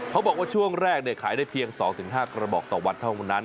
เขาบอกว่าช่วงแรกขายได้เพียง๒๕กระบอกต่อวันเท่านั้น